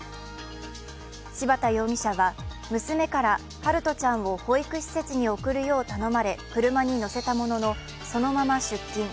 柴田容疑者は娘から、陽翔ちゃんを保育施設に送るよう頼まれ車に乗せたものの、そのまま出勤。